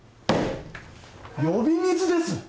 呼び水です！